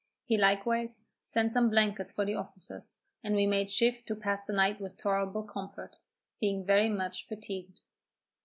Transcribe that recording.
He likewise sent some blankets for the officers, and we made shift to pass the night with tolerable comfort, being very much fatigued.